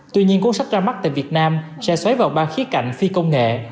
tuy nhiên cuốn sách ra mắt tại việt nam sẽ xoáy vào ba khía cạnh phi công nghệ